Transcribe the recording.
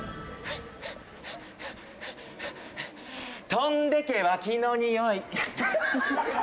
飛んでけ脇のにおい。